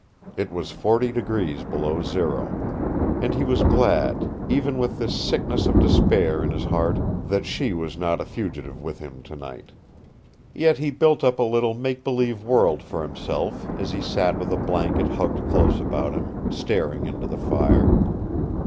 It was forty degrees below zero. And he was glad, even with this sickness of despair in his heart, that she was not a fugitive with him tonight. Yet he built up a little make believe world for himself as he sat with a blanket hugged close about him, staring into the fire.